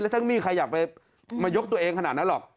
ถ้าไม่มีใครอยากไปมายกตัวเองขนาดนั้นหรอก